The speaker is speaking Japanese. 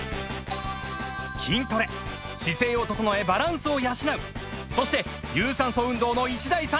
筋トレ姿勢を整えバランスを養うそして有酸素運動の１台３役！